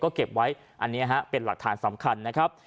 ก็เก็บไว้อันนี้ฮะเป็นหลักฐานสำคัญนะครับ